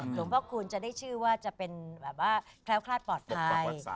หลวงพ่อคูณจะได้ชื่อว่าจะเป็นแบบว่าแคล้วคลาดปลอดภัย